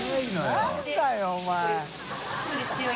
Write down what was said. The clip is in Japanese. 何だよお前。